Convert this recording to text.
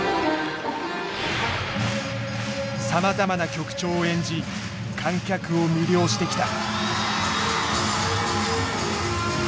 さまざまな曲調を演じ観客を魅了してきた。